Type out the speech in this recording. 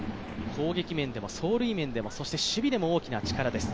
攻撃面でも走塁面でもそして守備でも大きな力です。